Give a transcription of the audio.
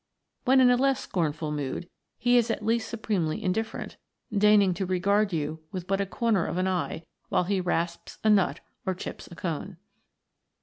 When in a less scornful mood, he is at least supremely indifferent, deigning to regard you with but the corner of an eye, while he rasps a nut or chips a cone.